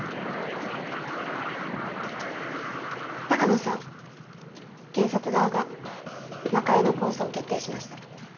鷹野さん検察側が中江の控訴を決定しました。